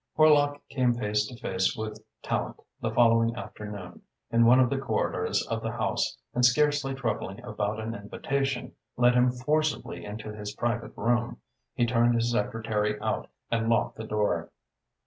Horlock came face to face with Tallente the following afternoon, in one of the corridors of the House and, scarcely troubling about an invitation, led him forcibly into his private room. He turned his secretary out and locked the door.